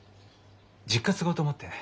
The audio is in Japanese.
実家継ごうと思ってね。